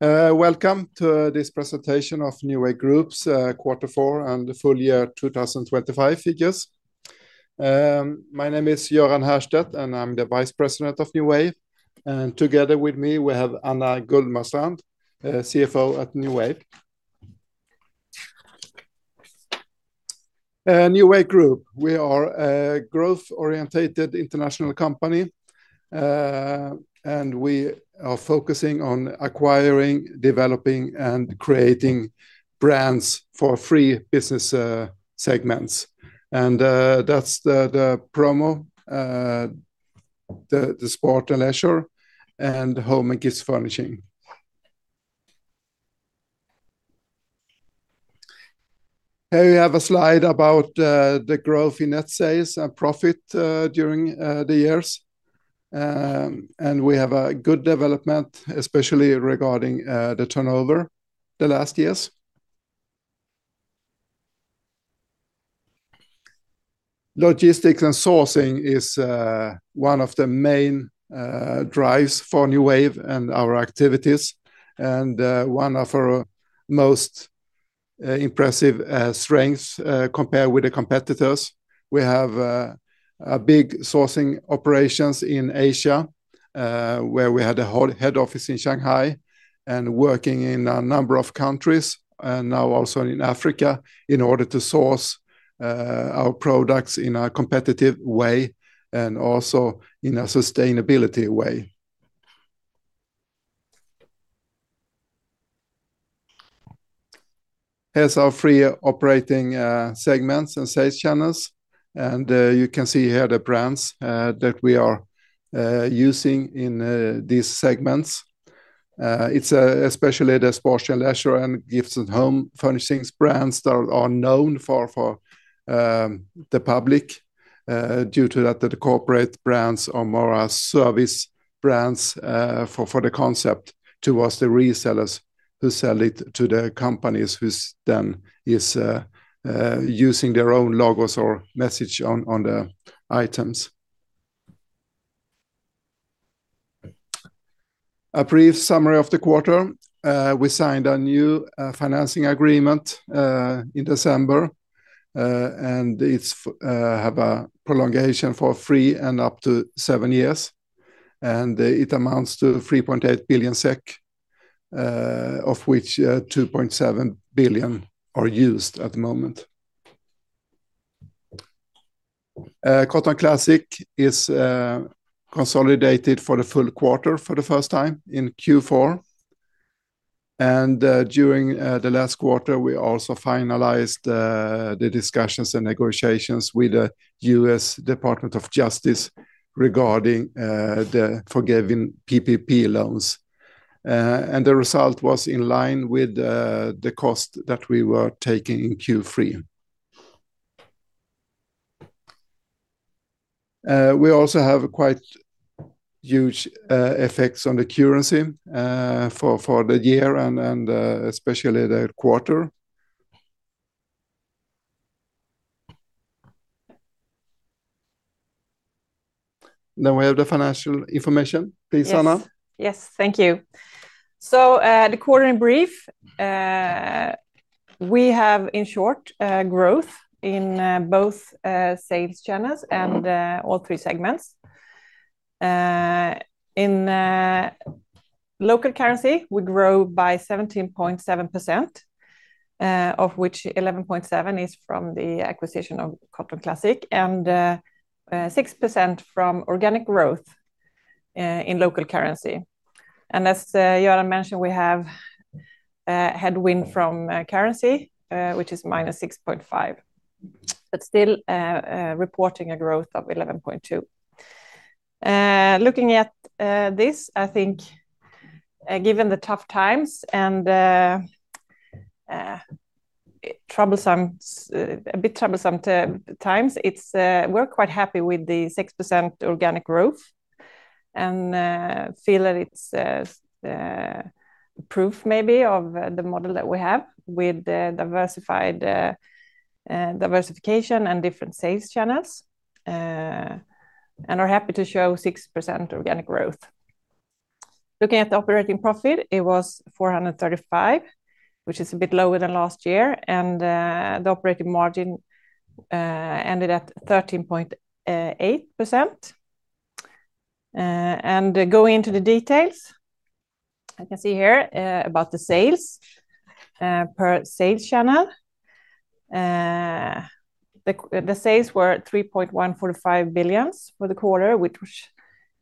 Welcome to this presentation of New Wave Group's Quarter Four and Full Year 2025 Figures. My name is Göran Härstedt, and I'm the Vice President of New Wave. Together with me we have Anna Gullmarstrand, CFO at New Wave. New Wave Group, we are a growth-orientated international company, and we are focusing on acquiring, developing, and creating brands for three business segments. And that's the promo: the sport and leisure, and home and kids furnishing. Here you have a slide about the growth in net sales and profit during the years. And we have a good development, especially regarding the turnover the last years. Logistics and sourcing is one of the main drives for New Wave and our activities, and one of our most impressive strengths compared with the competitors. We have big sourcing operations in Asia, where we had a head office in Shanghai and working in a number of countries, and now also in Africa, in order to source our products in a competitive way and also in a sustainability way. Here's our three operating segments and sales channels, and you can see here the brands that we are using in these segments. It's especially the Sports and Leisure and Gifts and Home Furnishings brands that are known for the public due to that the Corporate brands are more service brands for the concept towards the resellers who sell it to the companies who then are using their own logos or message on the items. A brief summary of the quarter: we signed a new financing agreement in December, and it has a prolongation for three and up to seven years. It amounts to 3.8 billion SEK, of which 2.7 billion are used at the moment. Cotton Classics is consolidated for the full quarter for the first time in Q4. During the last quarter, we also finalized the discussions and negotiations with the U.S. Department of Justice regarding the forgiving PPP loans. The result was in line with the cost that we were taking in Q3. We also have quite huge effects on the currency for the year and especially the quarter. Now we have the financial information. Please, Anna. Yes. Thank you. So the quarter in brief, we have, in short, growth in both sales channels and all three segments. In local currency, we grow by 17.7%, of which 11.7% is from the acquisition of Cotton Classics and 6% from organic growth in local currency. And as Göran mentioned, we have headwind from currency, which is -6.5%, but still reporting a growth of 11.2%. Looking at this, I think given the tough times and a bit troublesome times, we're quite happy with the 6% organic growth and feel that it's proof maybe of the model that we have with diversification and different sales channels and are happy to show 6% organic growth. Looking at the operating profit, it was 435 million, which is a bit lower than last year, and the operating margin ended at 13.8%. Going into the details, I can see here about the sales per sales channel. The sales were 3.145 billion for the quarter, which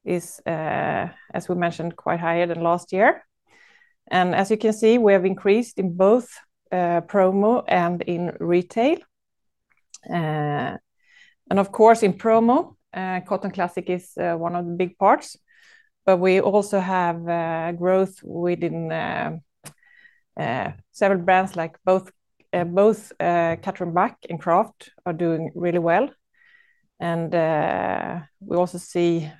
is, as we mentioned, quite higher than last year. And as you can see, we have increased in both promo and in retail. And of course, in promo, Cotton Classics is one of the big parts, but we also have growth within several brands, like both Cutter & Buck and Craft are doing really well. And we also see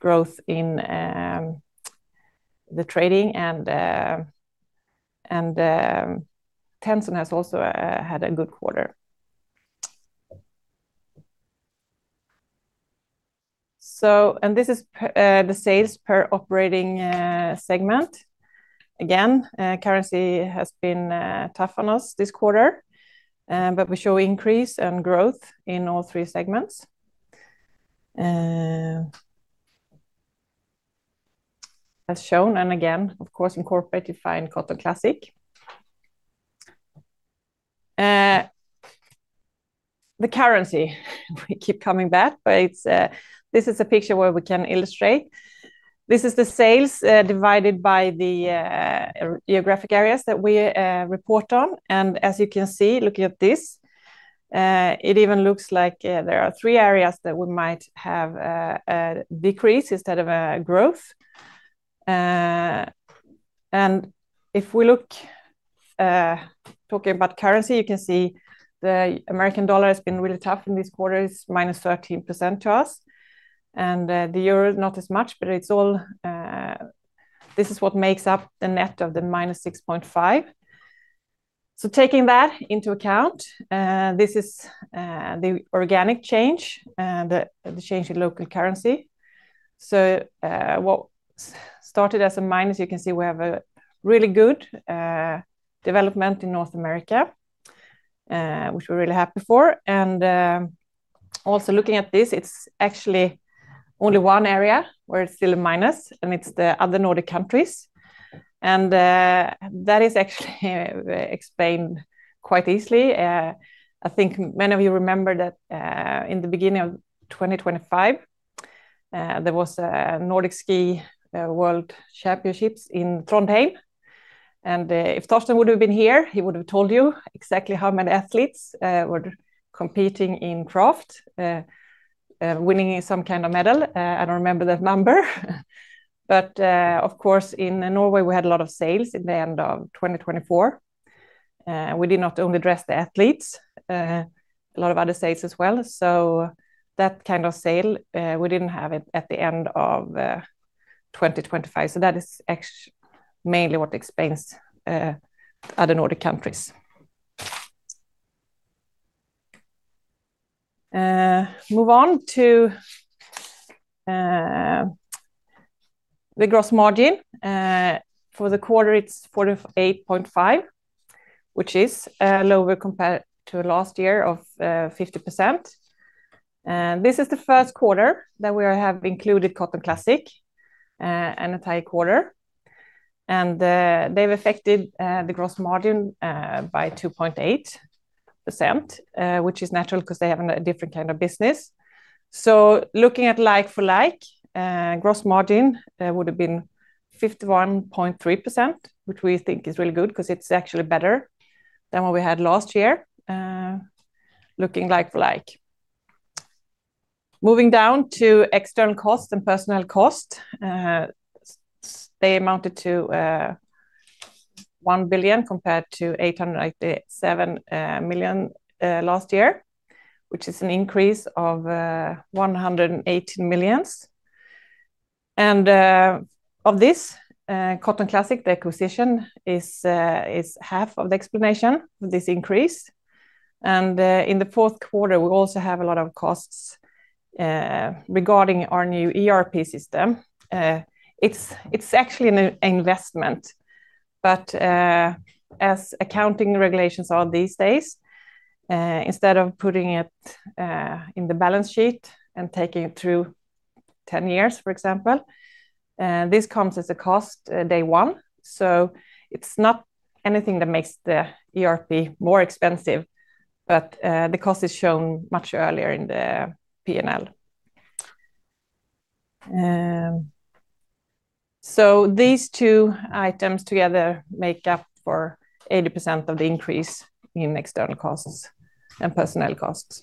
growth in the trading, and Tenson has also had a good quarter. And this is the sales per operating segment. Again, currency has been tough on us this quarter, but we show increase and growth in all three segments as shown. And again, of course, in Corporate, driven by Cotton Classics. The currency, we keep coming back, but this is a picture where we can illustrate. This is the sales divided by the geographic areas that we report on. As you can see, looking at this, it even looks like there are three areas that we might have a decrease instead of a growth. If we look talking about currency, you can see the American dollar has been really tough in this quarter. It's -13% to us. The euro, not as much, but this is what makes up the net of the -6.5%. Taking that into account, this is the organic change, the change in local currency. What started as a minus, you can see we have a really good development in North America, which we're really happy for. Also looking at this, it's actually only one area where it's still a minus, and it's the other Nordic countries. That is actually explained quite easily. I think many of you remember that in the beginning of 2025, there was Nordic Ski World Championships in Trondheim. If Torsten would have been here, he would have told you exactly how many athletes were competing in Craft, winning some kind of medal. I don't remember that number. Of course, in Norway, we had a lot of sales in the end of 2024. We did not only dress the athletes, a lot of other sales as well. That kind of sale, we didn't have it at the end of 2025. That is mainly what explains other Nordic countries. Move on to the gross margin. For the quarter, it's 48.5%, which is lower compared to last year of 50%. This is the first quarter that we have included Cotton Classics and a entire quarter. They've affected the gross margin by 2.8%, which is natural because they have a different kind of business. So looking at like-for-like, gross margin would have been 51.3%, which we think is really good because it's actually better than what we had last year looking like-for-like. Moving down to external costs and personal costs, they amounted to 1 billion compared to 887 million last year, which is an increase of 118 million. And of this, Cotton Classics, the acquisition is half of the explanation for this increase. And in the fourth quarter, we also have a lot of costs regarding our new ERP system. It's actually an investment, but as accounting regulations are these days, instead of putting it in the balance sheet and taking it through 10 years, for example, this comes as a cost day one. So it's not anything that makes the ERP more expensive, but the cost is shown much earlier in the P&L. So these two items together make up for 80% of the increase in external costs and personal costs.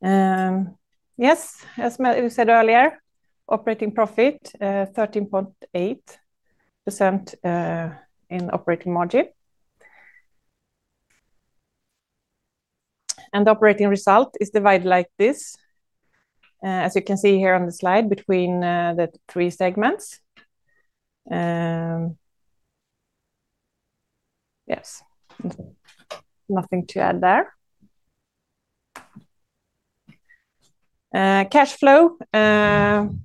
Yes. As we said earlier, operating profit, 13.8% in operating margin. The operating result is divided like this, as you can see here on the slide, between the three segments. Yes. Nothing to add there. Cash flow for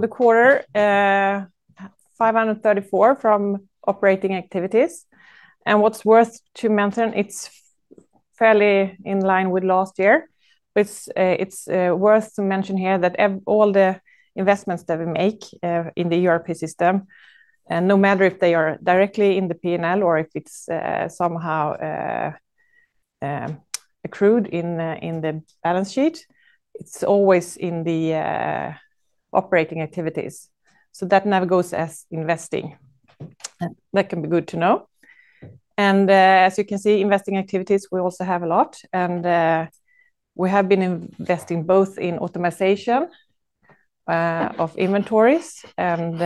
the quarter, 534 from operating activities. What's worth to mention, it's fairly in line with last year. It's worth to mention here that all the investments that we make in the ERP system, no matter if they are directly in the P&L or if it's somehow accrued in the balance sheet, it's always in the operating activities. So that never goes as investing. That can be good to know. And as you can see, investing activities, we also have a lot. And we have been investing both in optimization of inventories and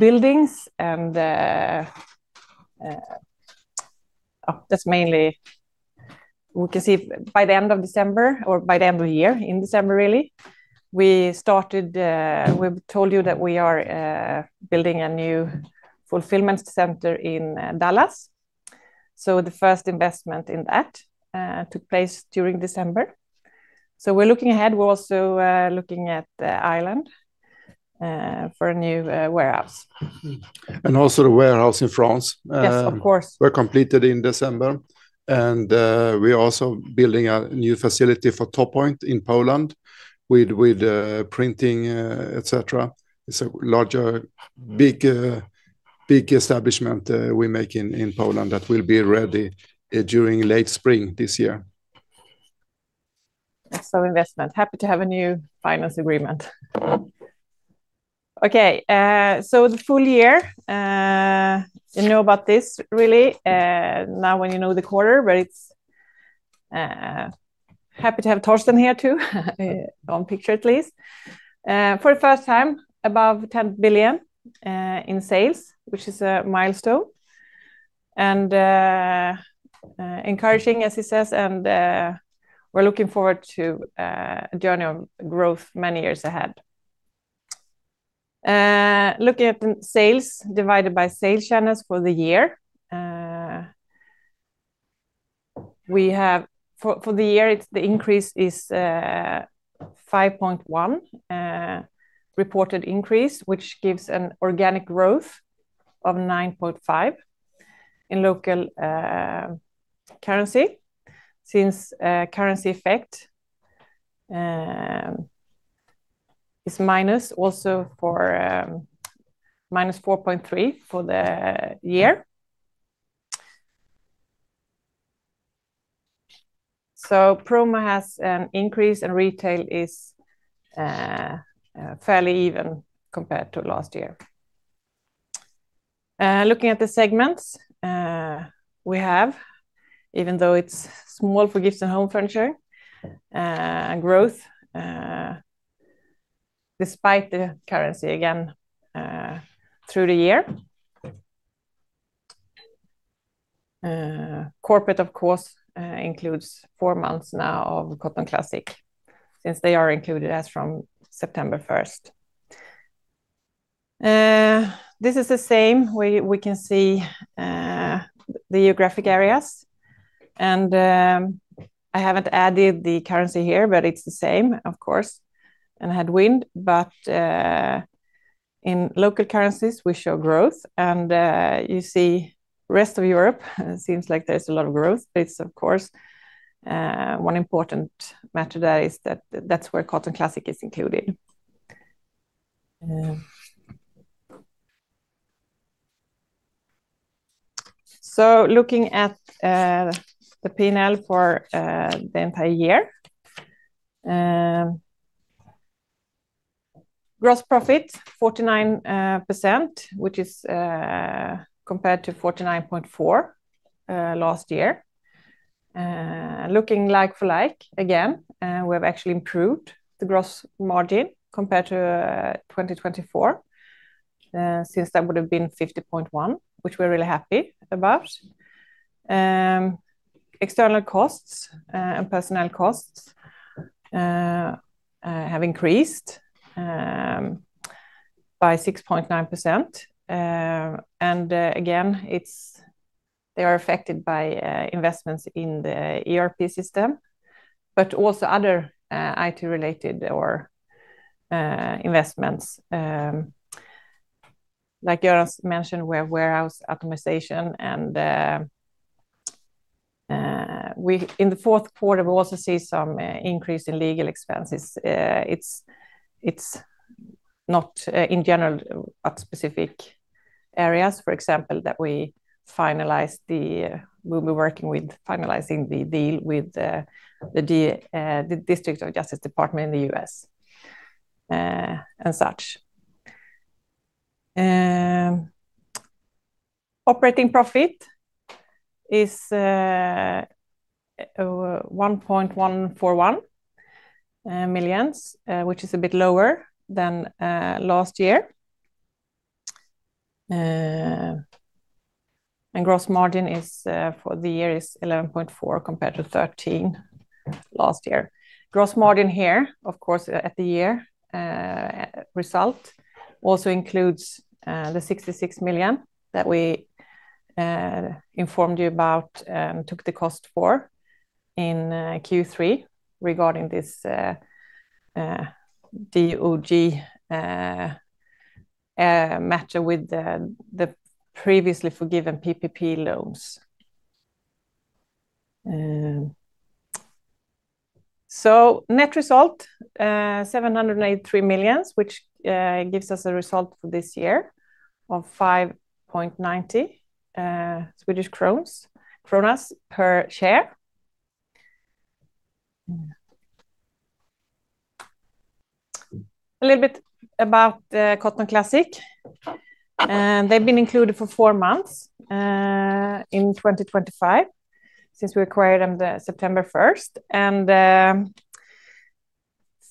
buildings. And that's mainly we can see by the end of December or by the end of the year, in December, really, we told you that we are building a new fulfillment center in Dallas. So the first investment in that took place during December. So we're looking ahead. We're also looking at Ireland for a new warehouse. Also the warehouse in France. Yes, of course. Were completed in December. We're also building a new facility for Toppoint in Poland with printing, etc. It's a big establishment we make in Poland that will be ready during late spring this year. So investment. Happy to have a new finance agreement. Okay. So the full year, you know about this, really, now when you know the quarter, but it's happy to have Torsten here too on picture at least. For the first time, above 10 billion in sales, which is a milestone and encouraging, as he says. And we're looking forward to a journey of growth many years ahead. Looking at sales divided by sales channels for the year, for the year, the increase is 5.1% reported increase, which gives an organic growth of 9.5% in local currency since currency effect is minus also for -4.3% for the year. So promo has an increase and retail is fairly even compared to last year. Looking at the segments we have, even though it's small for Gifts and Home Furnishings and growth despite the currency, again, through the year, corporate, of course, includes four months now of Cotton Classics since they are included as from September 1st. This is the same. We can see the geographic areas. I haven't added the currency here, but it's the same, of course, and headwind. But in local currencies, we show growth. You see rest of Europe, it seems like there's a lot of growth, but it's, of course, one important matter that is that that's where Cotton Classics is included. So looking at the P&L for the entire year, gross profit, 49%, which is compared to 49.4% last year. Looking like-for-like, again, we have actually improved the gross margin compared to 2024 since that would have been 50.1%, which we're really happy about. External costs and personal costs have increased by 6.9%. And again, they are affected by investments in the ERP system, but also other IT-related investments. Like Göran mentioned, we have warehouse optimization. And in the fourth quarter, we also see some increase in legal expenses. It's not in general but in specific areas, for example, that we'll be working on finalizing the deal with the U.S. Department of Justice in the U.S. and such. Operating profit is 114.1 million, which is a bit lower than last year. And gross margin for the year is 11.4% compared to 13% last year. Gross margin here, of course, at the year result also includes the 66 million that we informed you about and took the cost for in Q3 regarding this DOJ matter with the previously forgiven PPP loans. So net result, 783 million, which gives us a result for this year of 5.90 Swedish kronor per share. A little bit about Cotton Classics. They've been included for four months in 2025 since we acquired them September 1st. And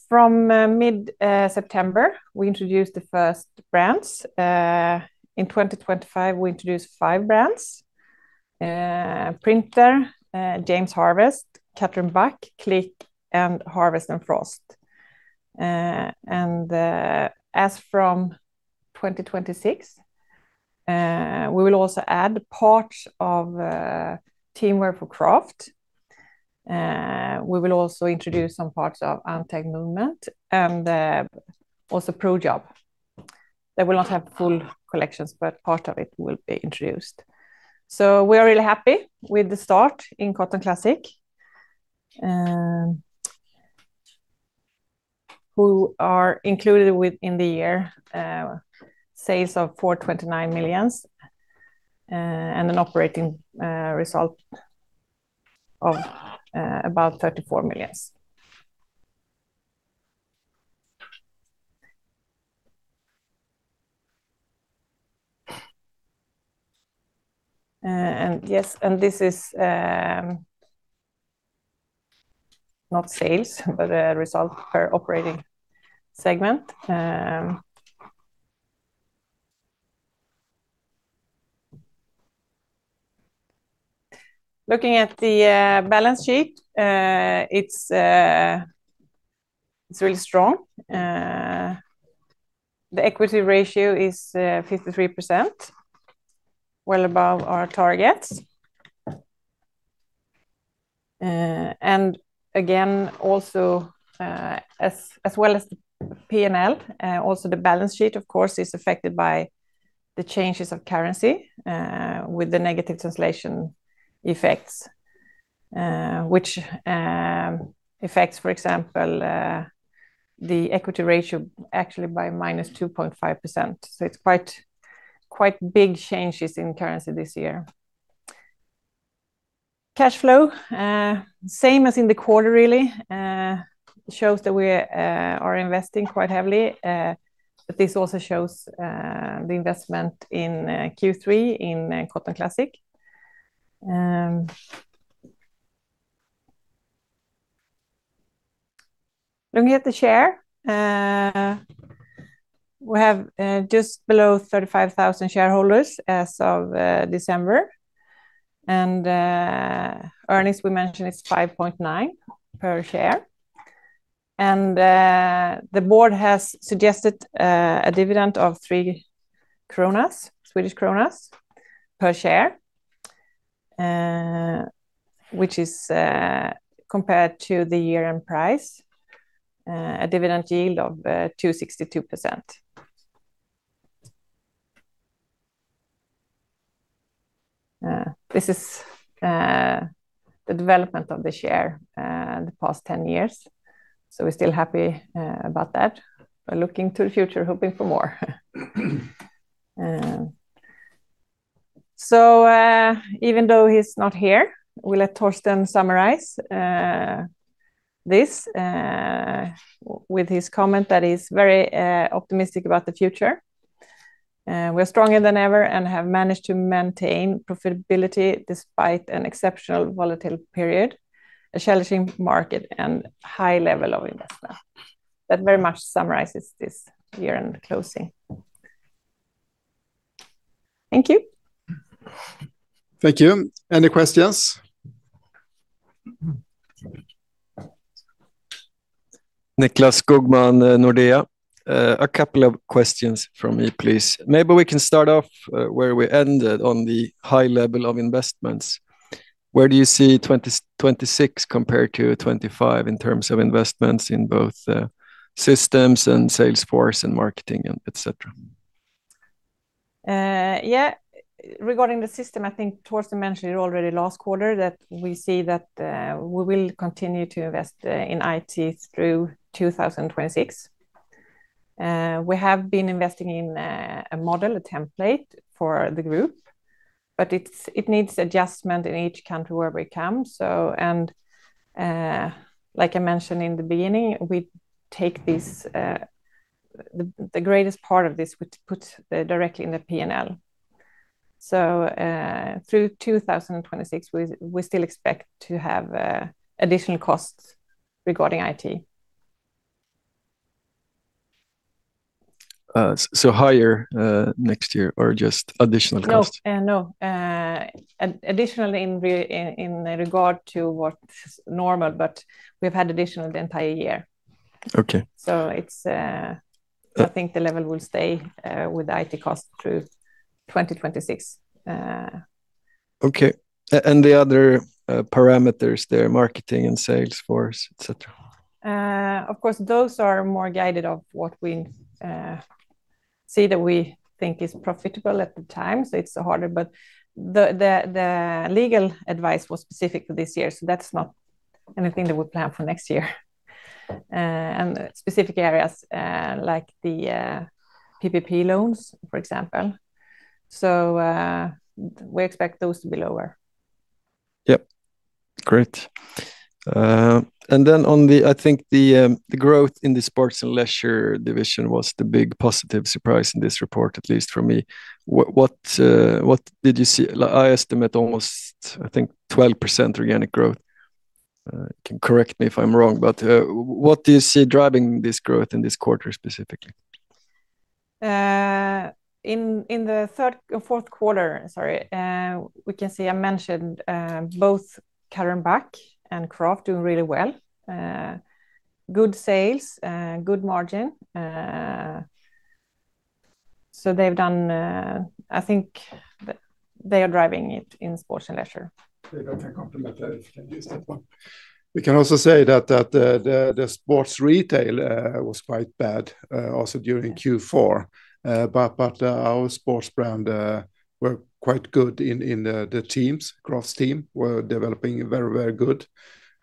from mid-September, we introduced the first brands. In 2025, we introduced five brands: Printer, James Harvest, Cutter & Buck, Clique, and J.Harvest & Frost. And as from 2026, we will also add parts of Craft Teamwear. We will also introduce some parts of Untagged Movement and also ProJob. They will not have full collections, but part of it will be introduced. So we are really happy with the start in Cotton Classics. What is included in the year, sales of 429 million and an operating result of about SEK 34 million. And yes, and this is not sales, but a result per operating segment. Looking at the balance sheet, it's really strong. The equity ratio is 53%, well above our targets. And again, also, as well as the P&L, also the balance sheet, of course, is affected by the changes of currency with the negative translation effects, which affects, for example, the equity ratio actually by -2.5%. So it's quite big changes in currency this year. Cash flow, same as in the quarter, really, shows that we are investing quite heavily. But this also shows the investment in Q3 in Cotton Classics. Looking at the share, we have just below 35,000 shareholders as of December. And earnings, we mentioned, is 5.9% per share. And the board has suggested a dividend of three SEK per share, which is compared to the year-end price, a dividend yield of 262%. This is the development of the share the past 10 years. We're still happy about that. We're looking to the future, hoping for more. Even though he's not here, we'll let Torsten summarize this with his comment that he's very optimistic about the future. We are stronger than ever and have managed to maintain profitability despite an exceptional volatile period, a challenging market, and high level of investment. That very much summarizes this year-end closing. Thank you. Thank you. Any questions? Nicklas Skogman, Nordea. A couple of questions from you, please. Maybe we can start off where we ended on the high level of investments. Where do you see 2026 compared to 2025 in terms of investments in both Systems and Salesforce and Marketing, etc.? Yeah. Regarding the system, I think Torsten mentioned it already last quarter that we see that we will continue to invest in IT through 2026. We have been investing in a model, a template for the group, but it needs adjustment in each country where we come. Like I mentioned in the beginning, we take this the greatest part of this, we put directly in the P&L. Through 2026, we still expect to have additional costs regarding IT. So higher next year or just additional costs? No. No. Additional in regard to what's normal, but we have had additional the entire year. So I think the level will stay with IT costs through 2026. Okay. The other parameters there, Marketing and Salesforce, etc.? Of course, those are more guided of what we see that we think is profitable at the time. So it's harder. But the legal advice was specific for this year. So that's not anything that we plan for next year and specific areas like the PPP loans, for example. So we expect those to be lower. Yep. Great. And then, on the, I think, the growth in the Sports and Leisure division was the big positive surprise in this report, at least for me. What did you see? I estimate almost, I think, 12% organic growth. You can correct me if I'm wrong. But what do you see driving this growth in this quarter specifically? In the fourth quarter, sorry, we can see I mentioned both Cutter & Buck and Craft doing really well, good sales, good margin. So I think they are driving it in Sports and Leisure. If I can complement that, if you can use that one. We can also say that the sports retail was quite bad also during Q4. But our sports brand were quite good in the teams. Craft Teamwear were developing very, very good,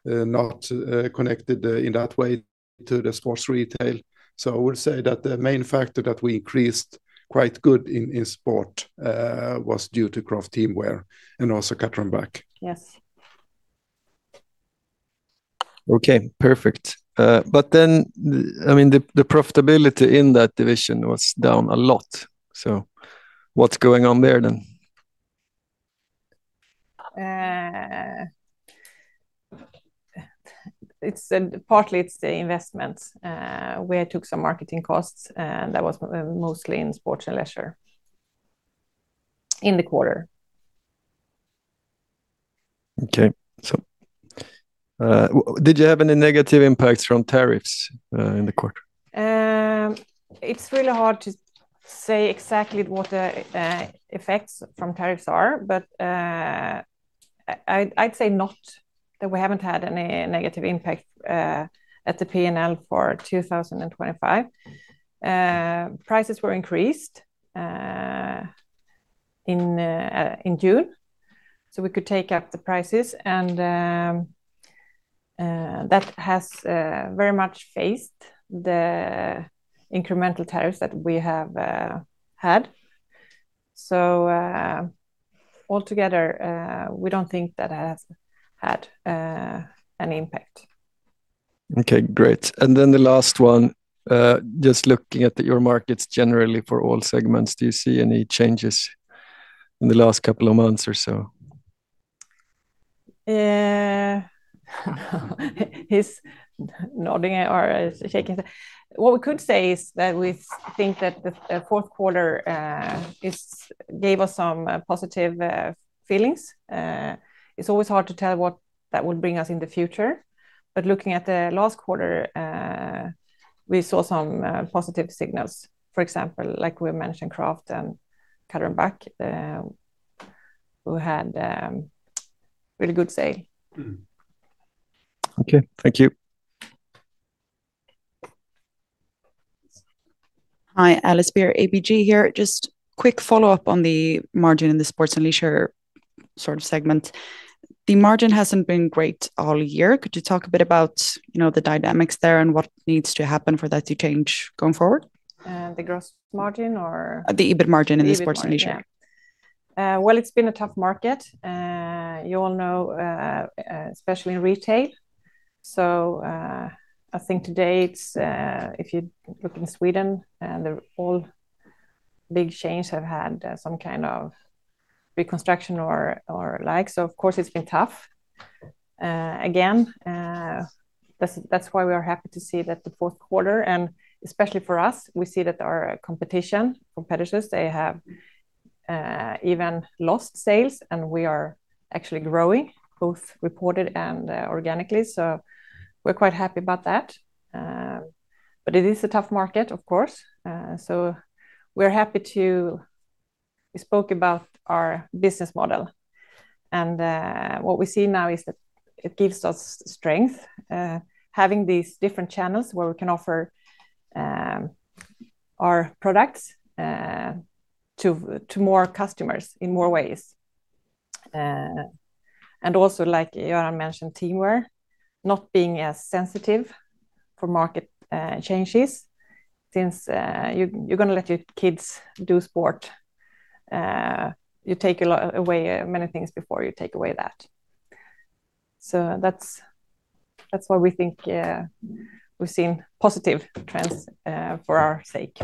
not connected in that way to the sports retail. So I would say that the main factor that we increased quite good in sport was due to Craft Teamwear and also Cutter & Buck. Yes. Okay. Perfect. But then, I mean, the profitability in that division was down a lot. So what's going on there then? Partly, it's the investments. We took some marketing costs, and that was mostly in Sports and Leisure in the quarter. Okay. Did you have any negative impacts from tariffs in the quarter? It's really hard to say exactly what the effects from tariffs are, but I'd say not that we haven't had any negative impact at the P&L for 2025. Prices were increased in June, so we could take up the prices. And that has very much faced the incremental tariffs that we have had. Altogether, we don't think that has had any impact. Okay. Great. And then the last one, just looking at your markets generally for all segments, do you see any changes in the last couple of months or so? He's nodding or shaking his head. What we could say is that we think that the fourth quarter gave us some positive feelings. It's always hard to tell what that will bring us in the future. But looking at the last quarter, we saw some positive signals. For example, like we mentioned, Craft and Cutter & Buck, who had really good sale. Okay. Thank you. Hi, Alice Beer, ABG here. Just quick follow-up on the margin in the Sports and Leisure sort of segment. The margin hasn't been great all year. Could you talk a bit about the dynamics there and what needs to happen for that to change going forward? The gross margin, or? The EBIT margin in the Sports and Leisure. EBIT, yeah. Well, it's been a tough market, you all know, especially in retail. So I think today, if you look in Sweden, all big chains have had some kind of reconstruction or like. So, of course, it's been tough again. That's why we are happy to see that the fourth quarter, and especially for us, we see that our competition, competitors, they have even lost sales, and we are actually growing, both reported and organically. So we're quite happy about that. But it is a tough market, of course. So we're happy to we spoke about our business model. And what we see now is that it gives us strength, having these different channels where we can offer our products to more customers in more ways. And also, like Göran mentioned, Teamwear, not being as sensitive for market changes since you're going to let your kids do sport. You take away many things before you take away that. So that's why we think we've seen positive trends for our sake.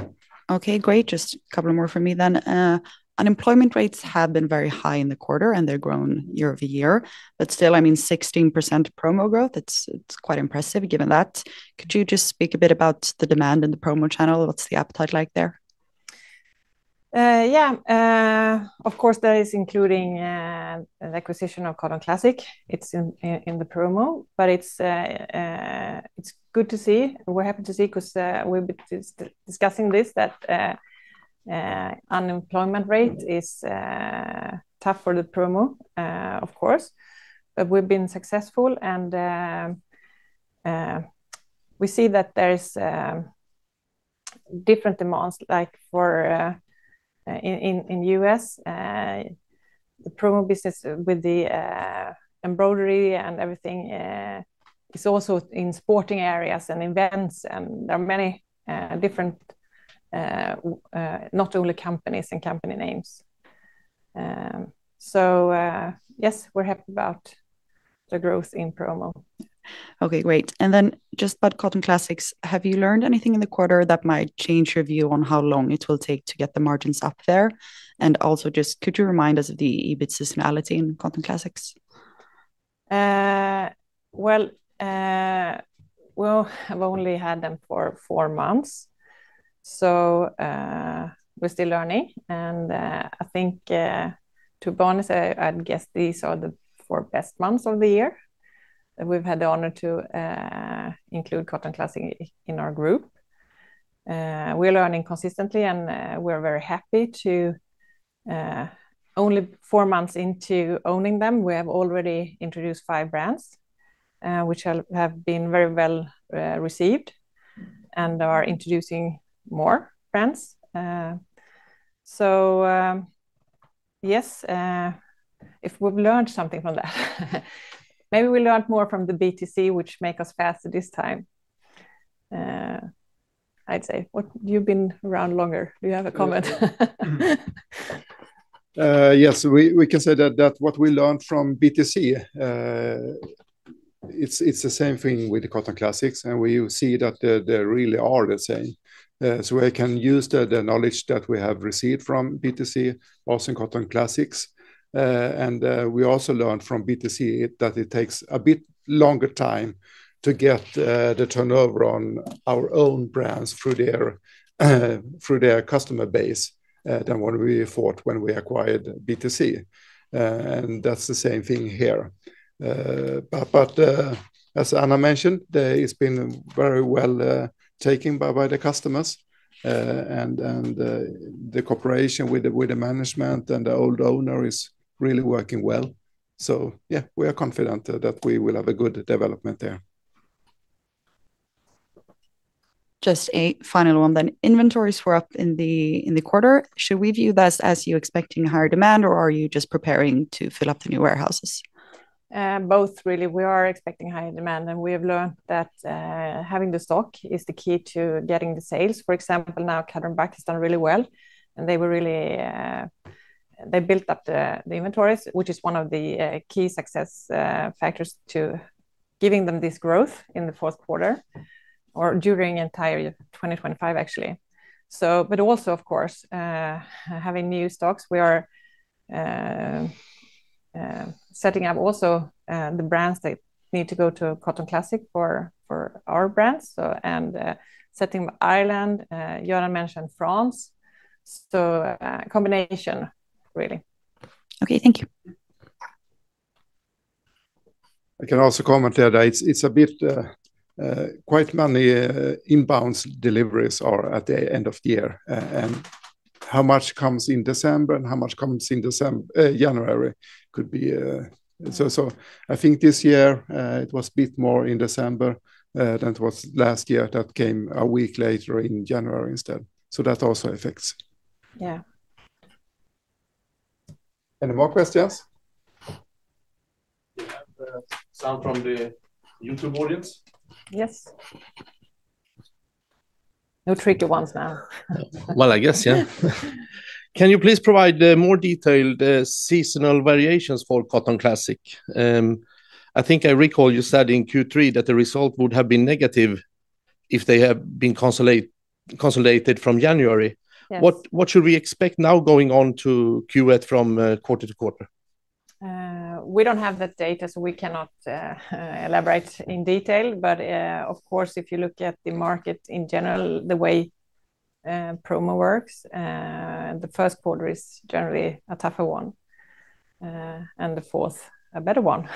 Okay. Great. Just a couple more for me then. Unemployment rates have been very high in the quarter, and they're grown year-over-year. But still, I mean, 16% promo growth. It's quite impressive given that. Could you just speak a bit about the demand in the promo channel? What's the appetite like there? Yeah. Of course, that is including an acquisition of Cotton Classics. It's in the promo. But it's good to see. We're happy to see because we've been discussing this, that unemployment rate is tough for the promo, of course. But we've been successful, and we see that there are different demands. In the U.S., the promo business with the embroidery and everything is also in sporting areas and events. And there are many different not only companies and company names. So yes, we're happy about the growth in promo. Okay. Great. And then just about Cotton Classics, have you learned anything in the quarter that might change your view on how long it will take to get the margins up there? And also just could you remind us of the EBIT seasonality in Cotton Classics? Well, we've only had them for four months. So we're still learning. And I think, to be honest, I'd guess these are the four best months of the year that we've had the honor to include Cotton Classics in our group. We're learning consistently, and we're very happy. Only four months into owning them, we have already introduced five brands, which have been very well received, and are introducing more brands. So yes, if we've learned something from that, maybe we learned more from the past, which makes us faster this time, I'd say. You've been around longer. Do you have a comment? Yes. We can say that what we learned from BTC, it's the same thing with Cotton Classics, and we see that they really are the same. So I can use the knowledge that we have received from BTC, also in Cotton Classics. And we also learned from BTC that it takes a bit longer time to get the turnover on our own brands through their customer base than what we thought when we acquired BTC. And that's the same thing here. But as Anna mentioned, it's been very well taken by the customers. And the cooperation with the management and the old owner is really working well. So yeah, we are confident that we will have a good development there. Just a final one then. Inventories were up in the quarter. Should we view that as you expecting higher demand, or are you just preparing to fill up the new warehouses? Both, really. We are expecting higher demand, and we have learned that having the stock is the key to getting the sales. For example, now, Cutter & Buck has done really well, and they built up the inventories, which is one of the key success factors to giving them this growth in the fourth quarter or during the entire year 2025, actually. But also, of course, having new stocks, we are setting up also the brands that need to go to Cotton Classics for our brands and setting up Ireland, Göran mentioned, France. So combination, really. Okay. Thank you. I can also comment there that it's a bit quite many inbound deliveries are at the end of the year. And how much comes in December and how much comes in January could be, so I think this year, it was a bit more in December than it was last year that came a week later in January instead. So that also affects. Yeah. Any more questions? Do you have some from the YouTube audience? Yes. No tricky ones now. Well, I guess, yeah. Can you please provide more detailed seasonal variations for Cotton Classics? I think I recall you said in Q3 that the result would have been negative if they had been consolidated from January. What should we expect now going on to Q1 from quarter-to-quarter? We don't have that data, so we cannot elaborate in detail. But of course, if you look at the market in general, the way promo works, the first quarter is generally a tougher one and the fourth a better one.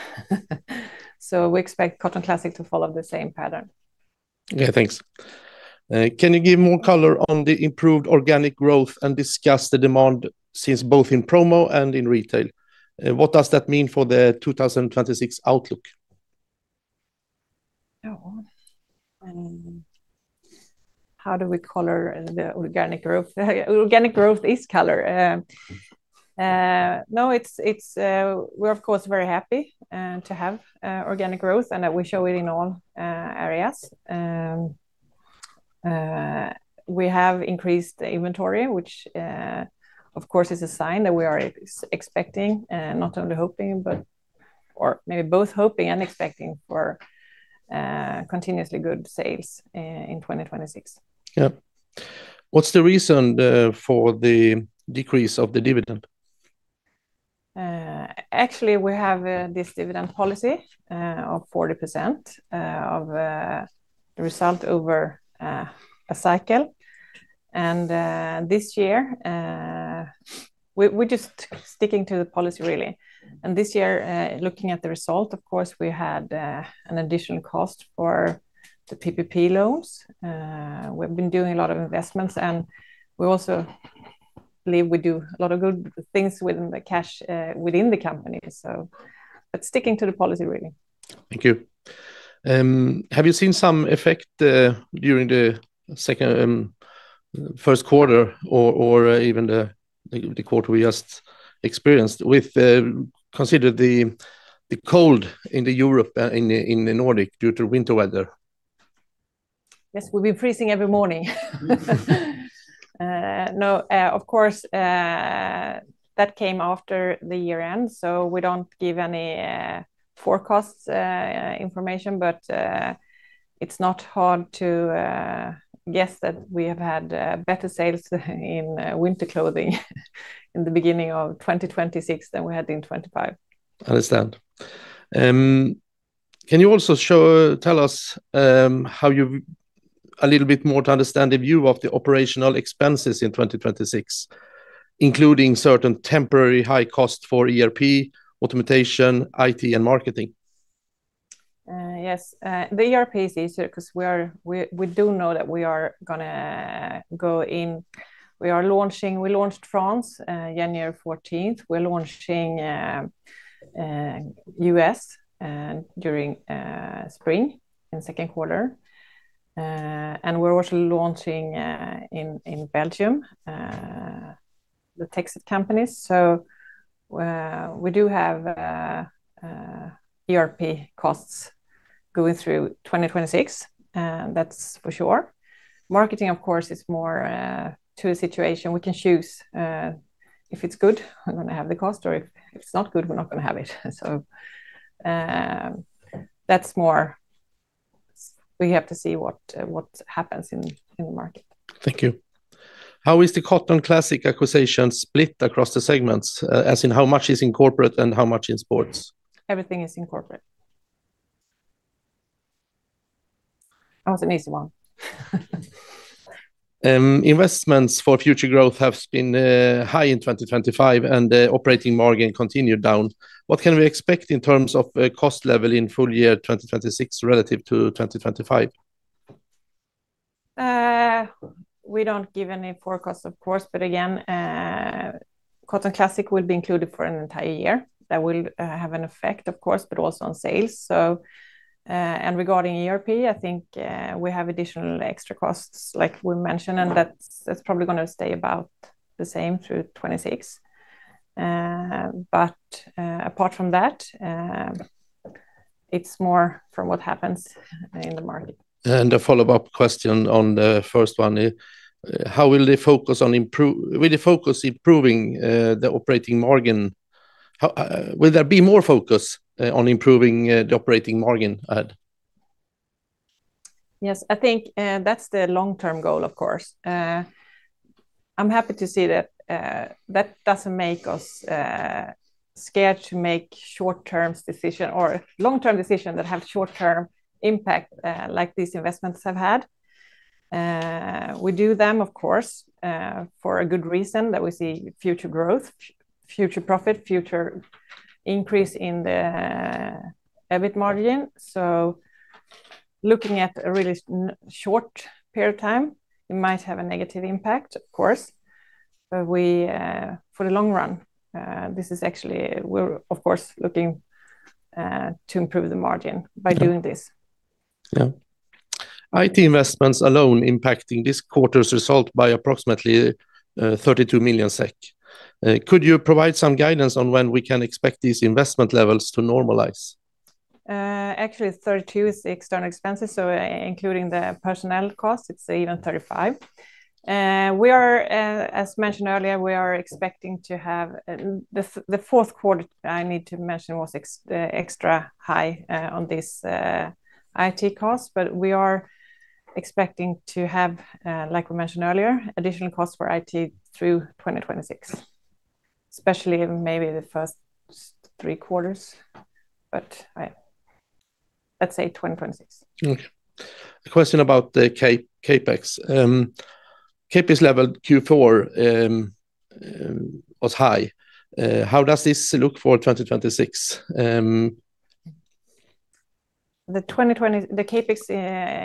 So we expect Cotton Classics to follow the same pattern. Yeah. Thanks. Can you give more color on the improved organic growth and discuss the demand since both in promo and in retail? What does that mean for the 2026 outlook? Oh. How do we color the organic growth? Organic growth is color. No, we're, of course, very happy to have organic growth and that we show it in all areas. We have increased inventory, which, of course, is a sign that we are expecting, not only hoping, but maybe both hoping and expecting for continuously good sales in 2026. Yep. What's the reason for the decrease of the dividend? Actually, we have this dividend policy of 40% of the result over a cycle. This year, we're just sticking to the policy, really. This year, looking at the result, of course, we had an additional cost for the PPP loans. We've been doing a lot of investments, and we also believe we do a lot of good things with the cash within the company, but sticking to the policy, really. Thank you. Have you seen some effect during the first quarter or even the quarter we just experienced considering the cold in Europe and in the Nordic due to winter weather? Yes. We've been freezing every morning. No, of course, that came after the year-end, so we don't give any forecast information. But it's not hard to guess that we have had better sales in winter clothing in the beginning of 2026 than we had in 2025. Understand. Can you also tell us a little bit more to understand the view of the operational expenses in 2026, including certain temporary high costs for ERP, Automation, IT, and Marketing? Yes. The ERP is easier because we do know that we are going to go in. We launched France January 14th. We're launching the U.S. during spring in the second quarter. And we're also launching in Belgium, the Texas companies. So we do have ERP costs going through 2026. That's for sure. Marketing, of course, is more to a situation. We can choose if it's good, we're going to have the cost, or if it's not good, we're not going to have it. So we have to see what happens in the market. Thank you. How is the Cotton Classics acquisition split across the segments? As in how much is in corporate and how much in sports? Everything is in corporate. That was an easy one. Investments for future growth have been high in 2025, and the operating margin continued down. What can we expect in terms of cost level in full year 2026 relative to 2025? We don't give any forecasts, of course. But again, Cotton Classics will be included for an entire year. That will have an effect, of course, but also on sales. Regarding ERP, I think we have additional extra costs, like we mentioned, and that's probably going to stay about the same through 2026. Apart from that, it's more from what happens in the market. A follow-up question on the first one. How will they focus on improving the operating margin? Will there be more focus on improving the operating margin ahead? Yes. I think that's the long-term goal, of course. I'm happy to see that. That doesn't make us scared to make short-term decisions or long-term decisions that have short-term impact like these investments have had. We do them, of course, for a good reason that we see future growth, future profit, future increase in the EBIT margin. So looking at a really short period of time, it might have a negative impact, of course. But for the long run, this is actually we're, of course, looking to improve the margin by doing this. Yeah. IT investments alone impacting this quarter's result by approximately 32 million SEK. Could you provide some guidance on when we can expect these investment levels to normalize? Actually, 32 is the external expenses. So including the personnel cost, it's even 35. As mentioned earlier, we are expecting to have the fourth quarter I need to mention was extra high on these IT costs. But we are expecting to have, like we mentioned earlier, additional costs for IT through 2026, especially maybe the first three quarters. But let's say 2026. Okay. A question about the CapEx. CapEx level Q4 was high. How does this look for 2026? The CapEx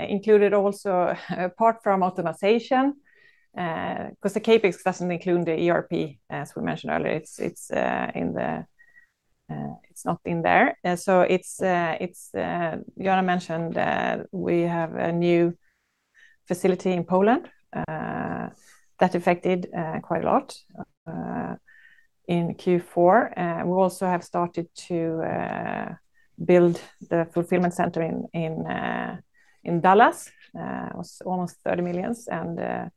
included also apart from automation because the CapEx doesn't include the ERP, as we mentioned earlier. It's not in there. So Göran mentioned we have a new facility in Poland that affected quite a lot in Q4. We also have started to build the fulfillment center in Dallas. It was almost 30 million and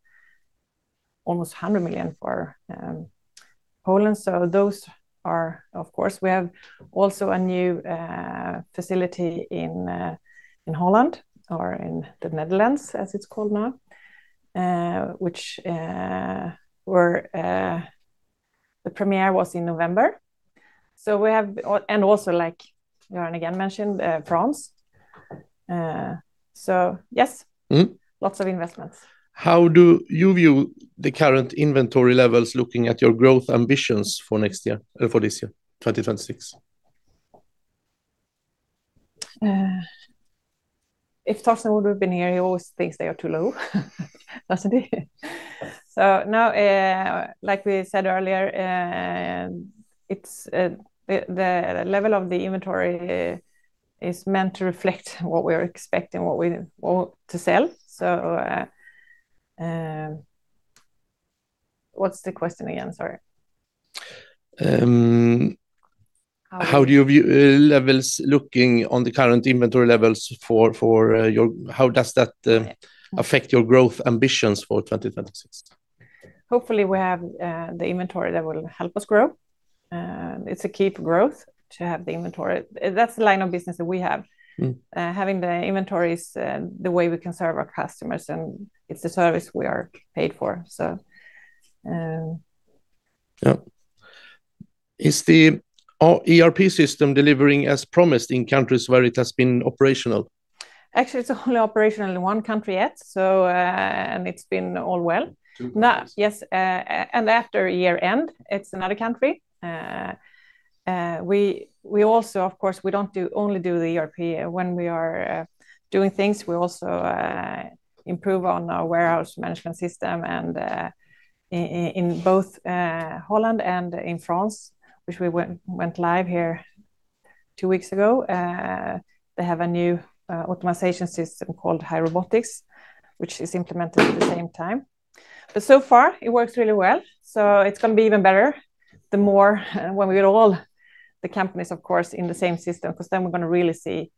almost 100 million for Poland. So of course, we have also a new facility in Holland or in the Netherlands, as it's called now, which the premiere was in November. And also, like Göran again mentioned, France. So yes, lots of investments. How do you view the current inventory levels looking at your growth ambitions for this year, 2026? If Torsten would have been here, he always thinks they are too low. Doesn't he? So now, like we said earlier, the level of the inventory is meant to reflect what we are expecting, what we want to sell. So what's the question again? Sorry. How do you view levels looking at the current inventory levels? How does that affect your growth ambitions for 2026? Hopefully, we have the inventory that will help us grow. It's a key for growth to have the inventory. That's the line of business that we have. Having the inventory is the way we can serve our customers, and it's a service we are paid for, so. Yeah. Is the ERP system delivering as promised in countries where it has been operational? Actually, it's only operational in one country yet, and it's been all well. Yes. And after year-end, it's another country. Of course, we don't only do the ERP. When we are doing things, we also improve on our warehouse management system in both Holland and in France, which we went live here two weeks ago. They have a new automation system called Hai Robotics, which is implemented at the same time. But so far, it works really well. So it's going to be even better when we get all the companies, of course, in the same system because then we're going to really see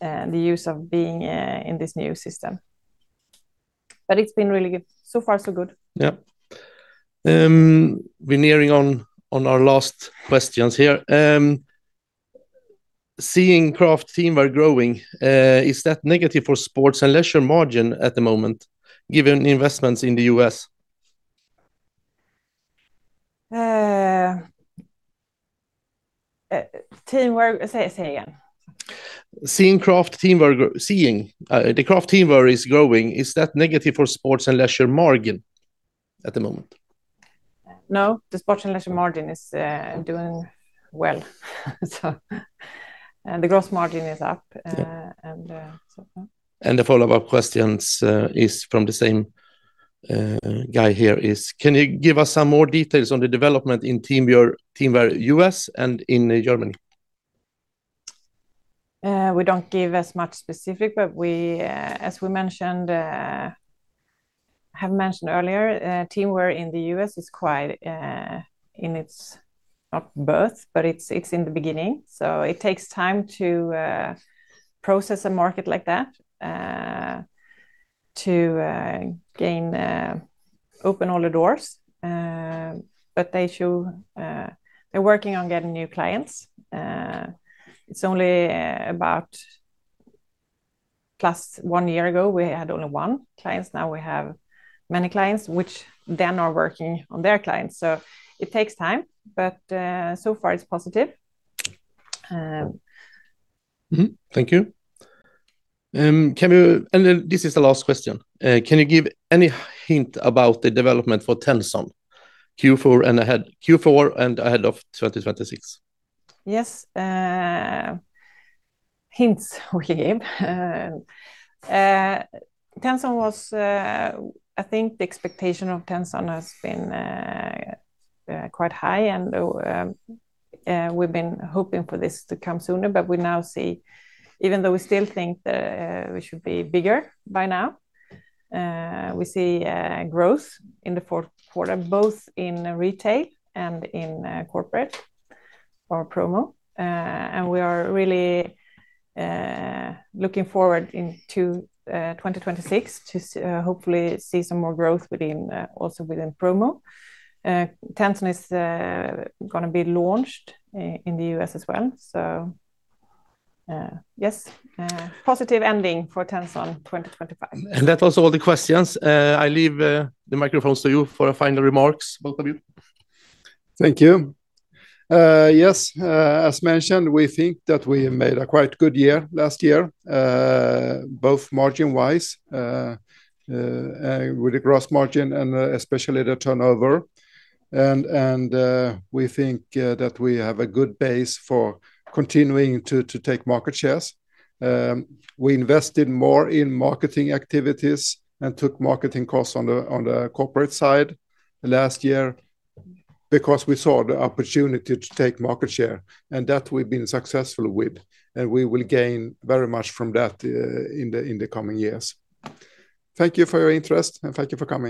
the use of being in this new system. But it's been really good so far, so good. Yeah. We're nearing on our last questions here. Seeing Craft Teamwear growing, is that negative for Sports and Leisure margin at the moment given investments in the U.S.? Teamwork. Say again. Seeing the Craft Teamwear is growing, is that negative for Sports and Leisure margin at the moment? No. The Sports and Leisure margin is doing well. The gross margin is up, and so yeah. The follow-up question is from the same guy here is: Can you give us some more details on the development in Teamwear U.S. and in Germany? We don't give as much specific, but as we have mentioned earlier, Teamwear in the U.S. is quite in its infancy, not birth, but it's in the beginning. So it takes time to process a market like that to open all the doors. But they're working on getting new clients. It's only about plus one year ago, we had only one client. Now we have many clients, which then are working on their clients. So it takes time, but so far, it's positive. Thank you. This is the last question. Can you give any hint about the development for Tenson Q4 and ahead Q4 and ahead of 2026? Yes. Hints we gave. I think the expectation of Tenson has been quite high, and we've been hoping for this to come sooner. But we now see, even though we still think we should be bigger by now, we see growth in the fourth quarter, both in retail and in corporate or promo. And we are really looking forward into 2026 to hopefully see some more growth also within promo. Tenson is going to be launched in the U.S. as well. So yes, positive ending for Tenson 2025. That was all the questions. I leave the microphones to you for final remarks, both of you. Thank you. Yes. As mentioned, we think that we made a quite good year last year, both margin-wise with the gross margin and especially the turnover. We think that we have a good base for continuing to take market shares. We invested more in marketing activities and took marketing costs on the corporate side last year because we saw the opportunity to take market share, and that we've been successful with. We will gain very much from that in the coming years. Thank you for your interest, and thank you for coming.